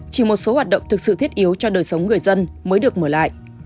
chỉ một số hoạt động thực sự thiết yếu cho đời sống người dân mới được mở lại